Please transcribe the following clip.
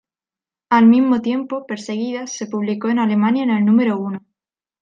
Al mismo tiempo, "Perseguidas" se publicó en Alemania en el número uno.